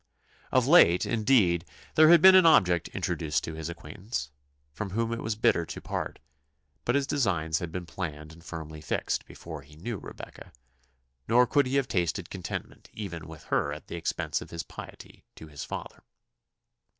Of late, indeed, there had been an object introduced to his acquaintance, from whom it was bitter to part; but his designs had been planned and firmly fixed before he knew Rebecca; nor could he have tasted contentment even with her at the expense of his piety to his father.